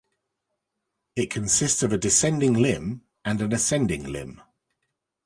It consists of a descending limb and an ascending limb.